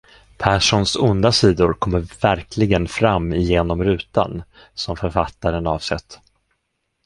Perssons onda sidor kommer verkligen fram igenom rutan som författaren avsett.